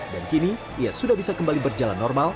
dan kini ia sudah bisa kembali berjalan normal